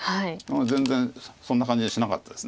全然そんな感じはしなかったです。